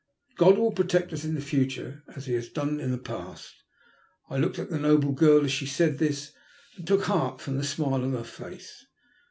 God will protect us in the future as He has done in the past." I looked at the noble girl as she said this, and took heart from the smile upon her face.